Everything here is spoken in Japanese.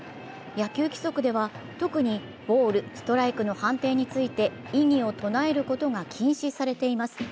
野球規則では、特にボール、ストライクの判定について異議を唱えることが禁止されています。